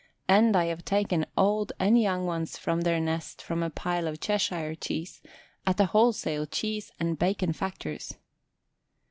And I have even taken old and young ones in their nest from a pile of Cheshire cheese, at a wholesale cheese and bacon factor's!